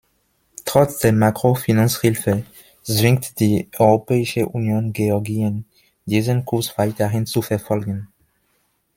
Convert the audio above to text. Trotz der Makrofinanzhilfe zwingt die Europäische Union Georgien, diesen Kurs weiterhin zu verfolgen.